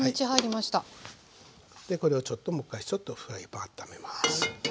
でこれをちょっともう１回フライパンをあっためます。